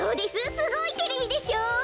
すごいテレビでしょう。